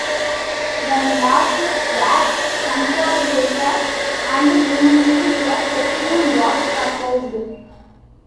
The lawsuits were consolidated, and eventually a settlement was proposed.